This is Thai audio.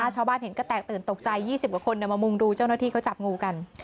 ชาวบ้านเห็นก็แตกตื่นตกใจ๒๐กว่าคนมามุงดูเจ้าหน้าที่เขาจับงูกัน